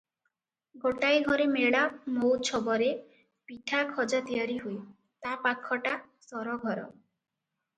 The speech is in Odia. ଗୋଟାଏ ଘରେ ମେଳା ମଉଛବରେ ପିଠା ଖଜା ତିଆରି ହୁଏ, ତା ପାଖଟା ସରଘର ।